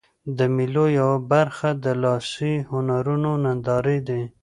د مېلو یوه برخه د لاسي هنرونو نندارې دي.